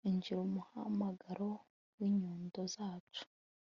injira umuhamagaro w'inyundo zacu